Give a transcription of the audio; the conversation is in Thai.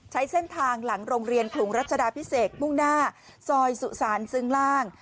ใช้เส้นทางหลังโรงเรียนขลุงรัชดาพิเศษมุ่งหน้าซอยสุสานซึ้งล่าง